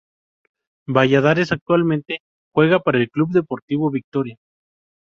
Valladares actualmente juega para el Club Deportivo Victoria.